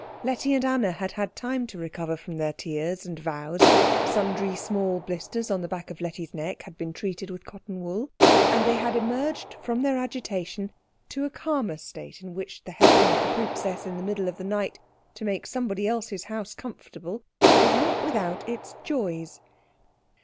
Letty and Anna had had time to recover from their tears and vows, sundry small blisters on the back of Letty's neck had been treated with cotton wool, and they had emerged from their agitation to a calmer state in which the helping of the princess in the middle of the night to make somebody else's house comfortable was not without its joys.